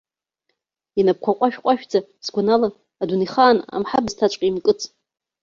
Инапқәа ҟәашәҟәашәӡа, сгәанала, адунеихаан амҳабысҭаҵәҟьа имкыц.